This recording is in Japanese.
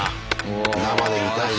生で見たいね。